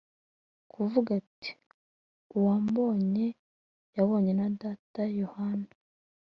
kuvuga ati uwambonye yabonye na Data Yohana